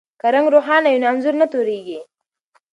که رنګ روښانه وي نو انځور نه توریږي.